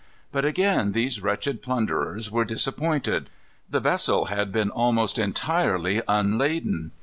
But again these wretched plunderers were disappointed. The vessel had been almost entirely unladen.